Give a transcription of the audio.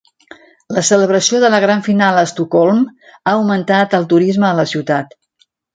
La celebració de la gran final a Estocolm ha augmentat el turisme a la ciutat.